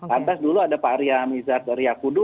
lantas dulu ada pak arya mizar dari yakudu